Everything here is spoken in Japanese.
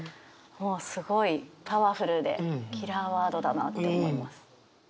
すごいパワフルでキラーワードだなって思います。